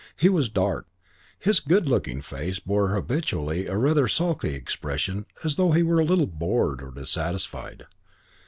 He was dark. His good looking face bore habitually a rather sulky expression as though he were a little bored or dissatisfied.